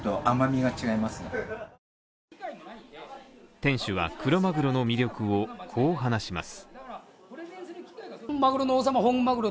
店主はクロマグロの魅力をこう話します。